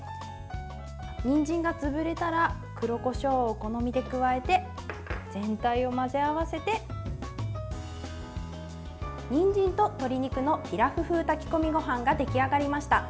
にんじんが潰れたら黒こしょうをお好みで加えて全体を混ぜ合わせてにんじんと鶏肉のピラフ風炊き込みご飯が出来上がりました。